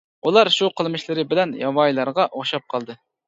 ئۇلار ئاشۇ قىلمىشلىرى بىلەن ياۋايىلارغا ئوخشاپ قالدى.